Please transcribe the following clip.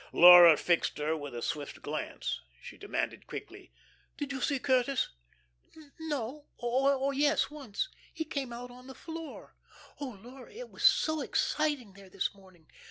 Laura fixed her with a swift glance; she demanded quickly: "Did you see Curtis?" "No or, yes, once; he came out on the floor. Oh, Laura, it was so exciting there this morning.